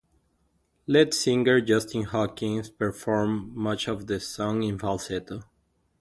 Lead singer Justin Hawkins performs much of the song in falsetto.